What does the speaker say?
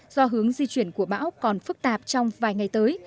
do hướng di chuyển của bão còn phức tạp trong vài ngày tới